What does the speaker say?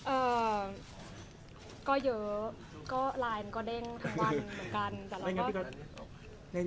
เอ่อก็เยอะก็ไลน์มันก็เด้งทั้งวันเหมือนกันแต่เราก็เด้ง